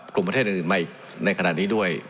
กลุ่มประเทศอื่นใหม่ในขณะนี้ด้วย